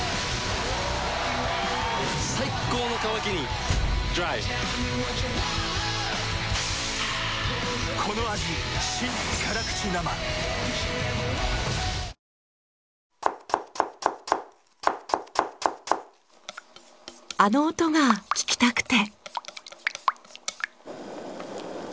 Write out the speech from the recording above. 最高の渇きにＤＲＹあの音が聞きたくて。